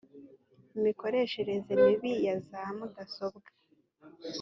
imikoreshereze mibi ya za mudasobwa